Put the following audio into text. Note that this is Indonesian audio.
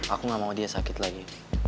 aku gak mau dia sakit lagi